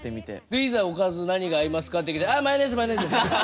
でいざおかず何が合いますかって聞いたら「あっマヨネーズマヨネーズです。